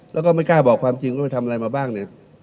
แล้วก็ไม่กล้าบอกความจริงว่าไปทำอะไรมาบ้างเนี่ย